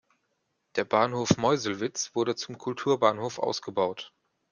Der Bahnhof Meuselwitz wurde zum Kulturbahnhof ausgebaut.